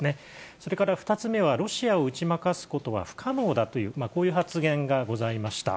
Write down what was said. それから２つ目は、ロシアを打ち負かすことは不可能だという、こういう発言がございました。